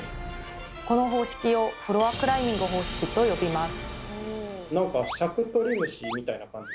この方式を「フロアクライミング方式」と呼びます。